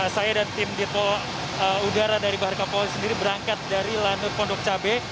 saya dan tim ditpol udara dari bahar kampori sendiri berangkat dari lanur pondok cabe